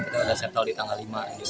kita udah setel di tanggal lima